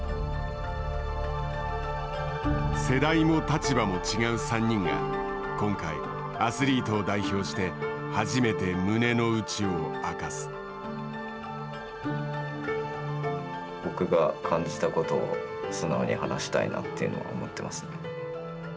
世代も立場も違う３人が今回、アスリートを代表して僕が感じたことを素直に話したいなというのは思ってますね。